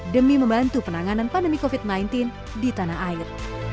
demi membantu penanganan pandemi covid sembilan belas di tanah air